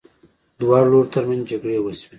دواړو لورو ترمنځ جګړې وشوې.